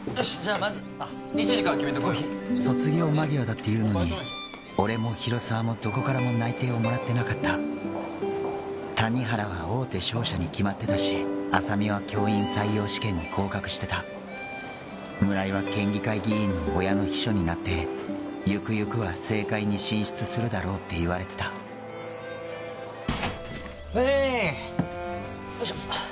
まず日時から卒業間際だっていうのに俺も広沢もどこからも内定をもらってなかった谷原は大手商社に決まってたし浅見は教員採用試験に合格してた村井は県議会議員の親の秘書になってゆくゆくは政界に進出するだろうって言われてたうえーい